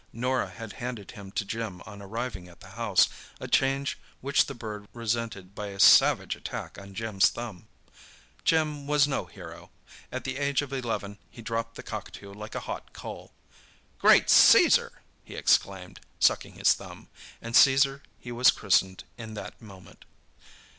Norah had handed him to Jim on arriving at the house, a change which the bird resented by a savage attack on Jim's thumb. Jim was no hero—at the age of eleven, he dropped the cockatoo like a hot coal. "Great Caesar!" he exclaimed, sucking his thumb, and Caesar he was christened in that moment.